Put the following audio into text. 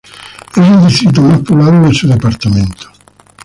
Es el distrito más poblado de su departamento.